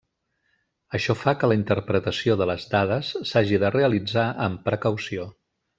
Això fa que la interpretació de les dades s'hagi de realitzar amb precaució.